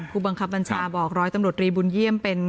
ผู้บังคับบัญชาบอกร้อยตำรวจรีบุญเยี่ยมเป็น